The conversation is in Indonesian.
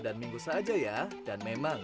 dan minggu saja ya dan memang